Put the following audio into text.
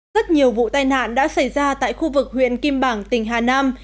rất nhiều vụ tai nạn đã xảy ra tại khu vực huyện kim bảng tỉnh hà nam